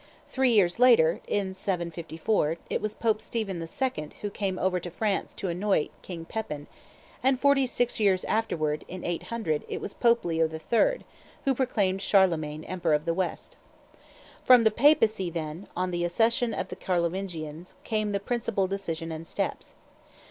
Three years later, in 754, it was Pope Stephen II. who came over to France to anoint King Pepin, and, forty six years afterwards, in 800, it was Pope Leo III. who proclaimed Charlemagne emperor of the West. From the Papacy, then, on the accession of the Carlovingians, came the principal decisions and steps.